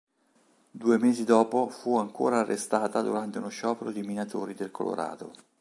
Due mesi dopo fu ancora arrestata durante uno sciopero di minatori del Colorado.